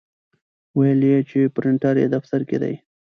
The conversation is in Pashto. ویل یې چې پرنټر یې دفتر کې دی.